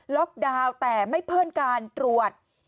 ล็อกดาวน์แต่ไม่เพิ่มการตรวจ